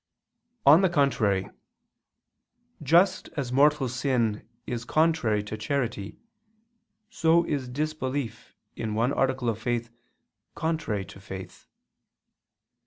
On the contrary, Just as mortal sin is contrary to charity, so is disbelief in one article of faith contrary to faith.